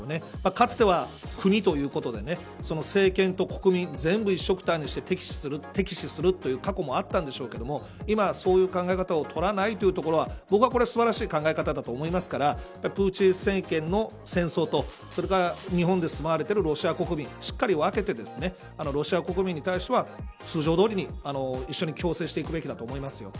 かつては国ということで政権と国民、全部一緒くたにして敵視するというか困ったんでしょうけれども今は、そういう考え方を取らないというところは僕は素晴らしい考え方だと思いますからプーチン政権の戦争とそれから日本で住まわれているロシア国民しっかり分けてロシア国民に対しては通常通りに一緒に共生していくべきだと思います。